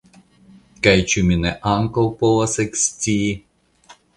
Kaj ĉu mi ne ankaŭ povas ekscii.